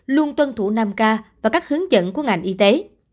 luôn tuân thủ năm k và các hướng dẫn của ngành y tế